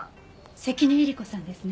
関根えり子さんですね？